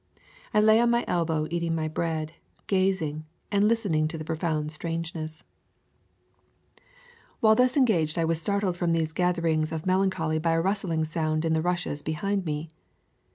I lay on my elbow eating my bread, gazing, and listening to the profound strangeness. [ 88 ] Florida Swamps and Forests While thus engaged I was startled from these gatherings of melancholy by a rustling sound in the rushes behind me.